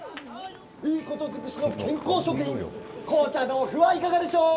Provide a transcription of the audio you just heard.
いいこと尽くしの健康食品紅茶豆腐はいかがでしょう！